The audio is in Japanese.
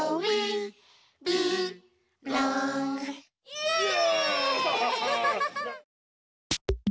イエイ！